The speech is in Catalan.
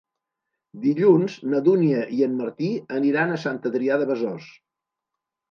Dilluns na Dúnia i en Martí aniran a Sant Adrià de Besòs.